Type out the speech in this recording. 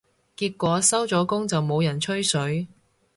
結果收咗工就冇人吹水